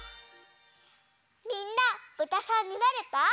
みんなぶたさんになれた？